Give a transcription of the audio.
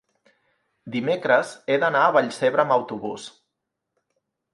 dimecres he d'anar a Vallcebre amb autobús.